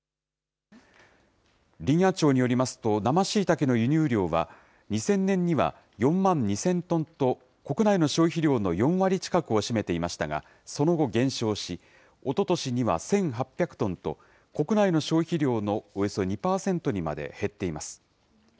林野庁によりますと、生しいたけの輸入量は、２０００年には４万２０００トンと、国内の消費量の４割近くを占めていましたが、その後、減少し、おととしには１８００トンと、国内の消費量のおよそ２％にまで減っています。